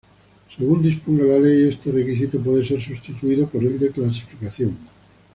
Según disponga la Ley, este requisito puede ser sustituido por el de clasificación.